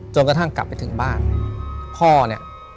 ถูกต้องไหมครับถูกต้องไหมครับ